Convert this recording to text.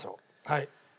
はい。